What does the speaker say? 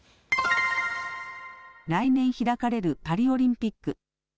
来年開かれるパリオリンピック。